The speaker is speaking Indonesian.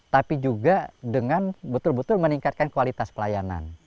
tapi juga dengan betul betul meningkatkan kualitas pelayanan